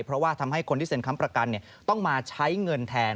เพราะว่าทำให้คนที่เซ็นค้ำประกันต้องมาใช้เงินแทน